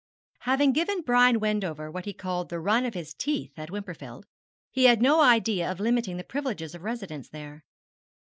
Having given Brian Wendover what he called the run of his teeth at Wimperfield, he had no idea of limiting the privileges of residence there.